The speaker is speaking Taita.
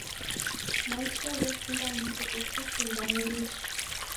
Maisha ghekunda mundu ukutumbanye nicha